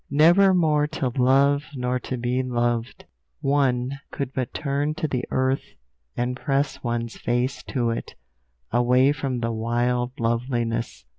Never more to love, nor to be loved! One could but turn to the earth, and press one's face to it, away from the wild loveliness.